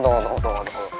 tunggu tunggu tunggu